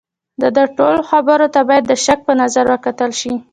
د ده ټولو خبرو ته باید د شک په نظر وکتل شي.